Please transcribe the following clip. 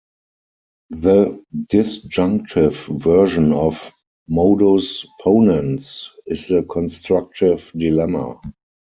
The disjunctive version of "modus ponens" is the constructive dilemma.